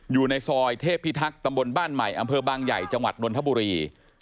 อยู่ในซอยเทพิทักษ์ตำบลบ้านใหม่อำเภอบางใหญ่จังหวัดนนทบุรี